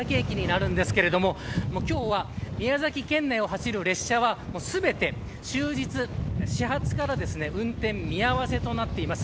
この奥がＪＲの宮崎駅になりますが今日は宮崎県内を走る列車は全て終日、始発から運転見合わせとなっています。